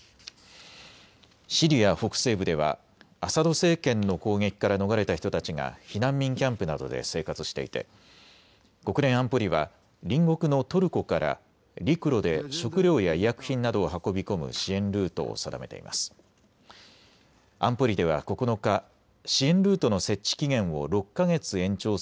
シリア北西部ではアサド政権の攻撃から逃れた人たちが避難民キャンプなどで生活していて国連安保理は隣国のトルコから陸路で食料や医薬品などを運び込む支援ルートを定めています。